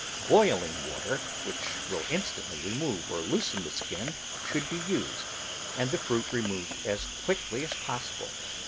Boiling water, which will instantly remove or loosen the skin, should be used, and the fruit removed as quickly as possible.